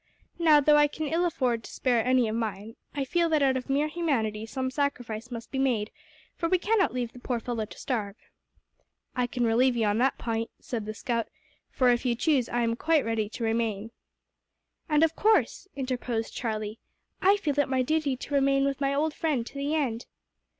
Now, though I can ill afford to spare any of mine, I feel that out of mere humanity some sacrifice must be made, for we cannot leave the poor fellow to starve." "I can relieve you on that point," said the scout, "for if you choose I am quite ready to remain." "And of course," interposed Charlie, "I feel it my duty to remain with my old friend to the end."